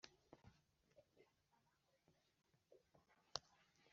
kandi bimariye ho umuriro barapfa